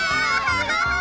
すごい！